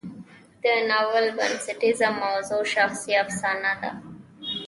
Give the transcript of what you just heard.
د ناول بنسټیزه موضوع شخصي افسانه ده.